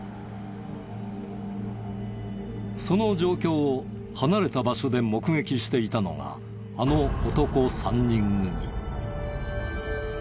その状況を離れた場所で目撃していたのがあの男３人組。